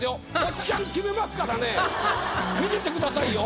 見ててくださいよ。